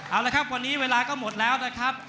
เอาละครับวันนี้เวลาก็หมดแล้วนะครับ